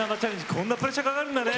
こんなプレッシャーかかるんだね。